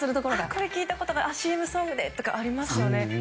これ、聞いたことあるＣＭソングでとかありますよね。